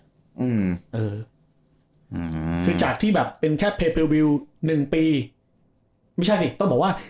อืมเอออ่าคือจากที่แบบเป็นแค่เพลิวหนึ่งปีไม่ใช่สิต้นบอกว่า